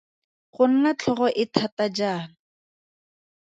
Go nna tlhogo e thata jaana.